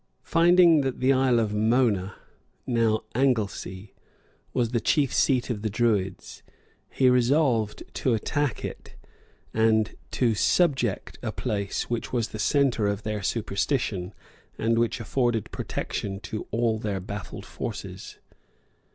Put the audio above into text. Finding that the island of Mona, now Anglesey, was the chief seat of the druids, he resolved to attack it, and to subject a place which was the centre of their superstition, and which afforded protection to all their baffled forces.